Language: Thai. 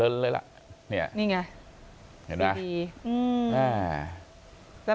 นี่ไงดี